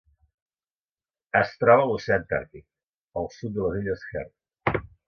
Es troba a l'oceà Antàrtic: el sud de les illes Heard.